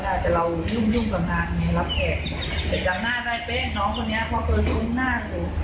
แต่เรายุ่งยุ่งกับงานนี้รับแขกแต่จำหน้าได้เป็นน้องคนนี้เขาเคยชุดหน้าอยู่